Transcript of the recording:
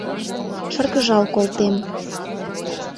Шыргыжал колтем.